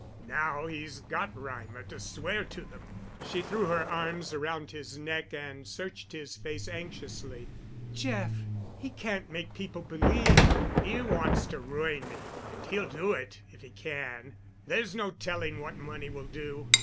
Now he's got Reimer to swear to them." She threw her arms around his neck and searched his face anxiously. "Jeff—he can't make people believe——" "He wants to ruin me—and he'll do it if he can. There's no telling what money will do.